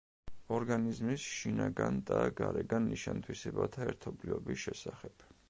ორგანიზმის შინაგან და გარეგან ნიშან-თვისებათა ერთობლიობის შესახებ.